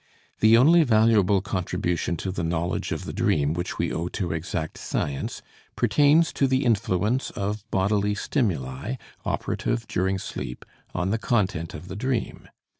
The only valuable contribution to the knowledge of the dream which we owe to exact science pertains to the influence of bodily stimuli, operative during sleep, on the content of the dream.